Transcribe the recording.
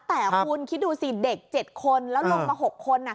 แต่คุณคิดดูสิเด็ก๗คนแล้วลงมา๖คน